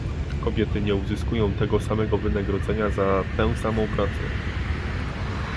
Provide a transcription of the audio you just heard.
Kobiety nie uzyskują tego samego wynagrodzenia za tę samą pracę